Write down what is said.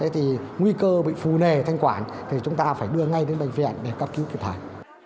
thì nguy cơ bị phù nề thanh quản thì chúng ta phải đưa ngay đến bệnh viện để cấp cứu kịp thời